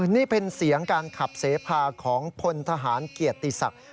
นี่เป็นเสียงการขับเสพาของพลทหารเกียรติศักดิ์